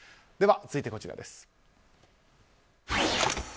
では続いてこちらです。